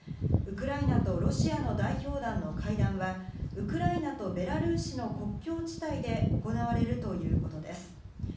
ウクライナとロシアの代表団の会談はウクライナとベラルーシの国境地帯で行われるということです。